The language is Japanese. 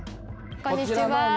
こんにちは。